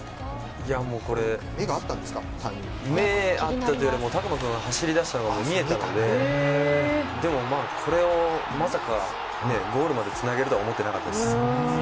目が合ったというか拓磨君が走り出したのが見えたのでそれをまさかゴールまでつなげるとは思ってなかったです。